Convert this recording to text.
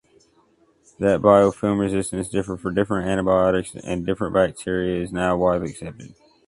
That biofilm resistance differ for different antibiotics and different bacteria is now widely accepted.